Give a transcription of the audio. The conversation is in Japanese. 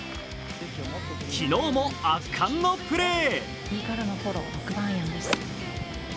昨日も圧巻のプレー。